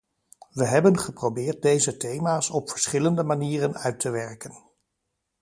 We hebben geprobeerd deze thema's op verschillende manieren uit te werken.